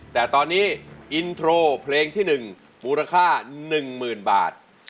แต่ตอนนี้อินโทรเพลงที่๑มูลค่า๑๐๐๐บาท